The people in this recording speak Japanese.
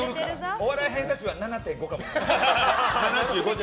お笑い偏差値は７．５かもしれない。